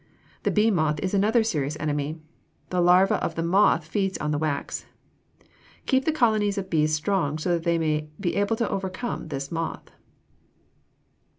The bee moth is another serious enemy. The larva of the moth feeds on the wax. Keep the colonies of bees strong so that they may be able to overcome this moth.